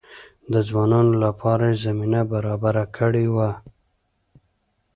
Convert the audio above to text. د ځوانانو لپاره یې زمینه برابره کړې وه.